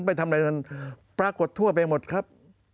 ไปทำอะไรกันปรากฏทั่วไปหมดครับ